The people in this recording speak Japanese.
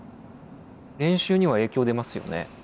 練習には影響出ますよね？